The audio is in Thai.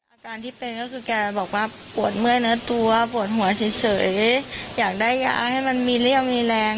อาการที่เป็นก็คือแกบอกว่าปวดเมื่อยเนื้อตัวปวดหัวเฉยอยากได้ยาให้มันมีเรี่ยวมีแรง